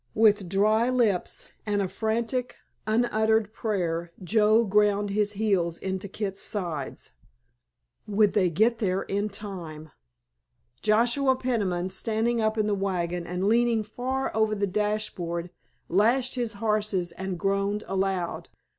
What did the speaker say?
With dry lips and a frantic unuttered prayer Joe ground his heels into Kit's sides. Would they get there in time? Joshua Peniman, standing up in the wagon and leaning far over the dashboard, lashed his horses and groaned aloud.